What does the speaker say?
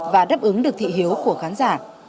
và đáp ứng được thị hiếu của khán giả